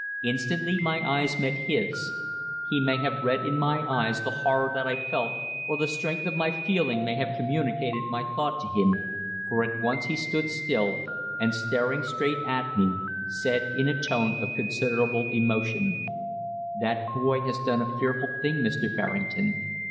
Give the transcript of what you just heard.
Instantly my eyes met his. He may have read in my eyes the horror that I felt, or the strength of my feeling may have communicated my thought to him, for at once he stood still, and, staring straight at me, said in a tone of considerable emotion: "That boy has done a fearful thing, Mr. Berrington.